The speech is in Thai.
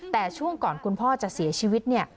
แต่ช่วงก่อนคุณพ่อจะเสียชีวิตเนี่ย